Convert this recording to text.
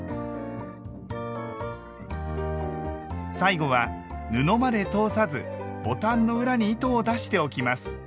最後は布まで通さずボタンの裏に糸を出しておきます。